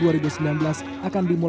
akan dimulai di jawa timur